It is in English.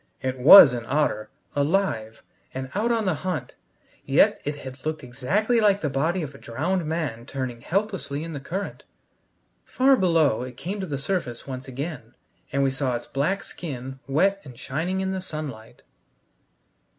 It was an otter, alive, and out on the hunt; yet it had looked exactly like the body of a drowned man turning helplessly in the current. Far below it came to the surface once again, and we saw its black skin, wet and shining in the sunlight.